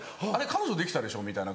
彼女できたでしょ。